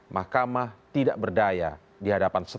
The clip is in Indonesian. mahkamah tidak berdaya di hadapan